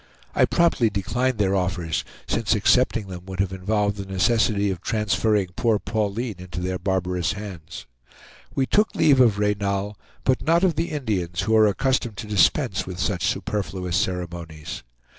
I promptly declined their offers, since accepting them would have involved the necessity of transferring poor Pauline into their barbarous hands. We took leave of Reynal, but not of the Indians, who are accustomed to dispense with such superfluous ceremonies.